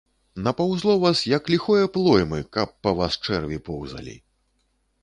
Напаўзло вас, як ліхое плоймы, каб па вас чэрві поўзалі.